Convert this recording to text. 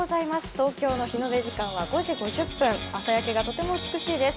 東京の日の出時間は５時５０分朝焼けがとても美しいです。